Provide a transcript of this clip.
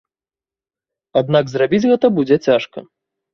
Аднак зрабіць гэта будзе цяжка.